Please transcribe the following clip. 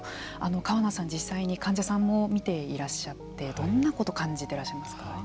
川名さん、実際に患者さんも診ていらっしゃってどんなことを感じていらっしゃいますか。